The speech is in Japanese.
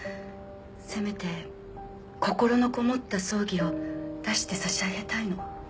せめて心のこもった葬儀を出してさしあげたいの。